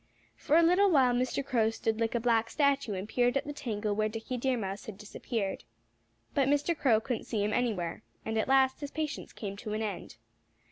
For a little while Mr. Crow stood like a black statue and peered at the tangle where Dickie Deer Mouse had disappeared. But Mr. Crow couldn't see him anywhere. And at last his patience came to an end.